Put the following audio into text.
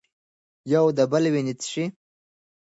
یو د بل وینې څښي.